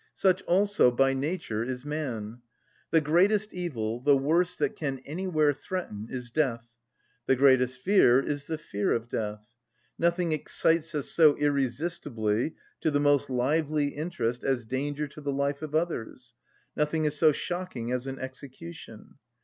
Such also, by nature, is man. The greatest evil, the worst that can anywhere threaten, is death; the greatest fear is the fear of death. Nothing excites us so irresistibly to the most lively interest as danger to the life of others; nothing is so shocking as an execution.